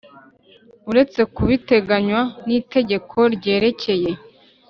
Uretse ku biteganywa n itegeko ryerekeye